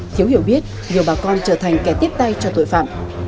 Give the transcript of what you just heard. thiếu hiểu biết nhiều bà con trở thành kẻ tiếp tay cho tội phạm